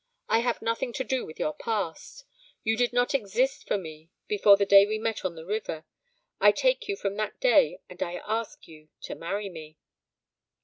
I have nothing to do with your past. You did not exist for me before the day we met on the river. I take you from that day and I ask you to marry me.'